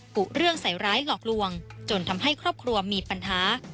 กุเรื่องใส่ร้ายหลอกลวงจนทำให้ครอบครัวมีปัญหา